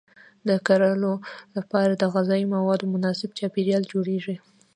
د کرلو لپاره د غذایي موادو مناسب چاپیریال جوړیږي.